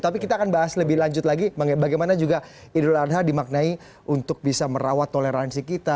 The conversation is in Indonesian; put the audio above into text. tapi kita akan bahas lebih lanjut lagi bagaimana juga idul adha dimaknai untuk bisa merawat toleransi kita